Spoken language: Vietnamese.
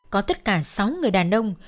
có tất cả sáu người đàn ông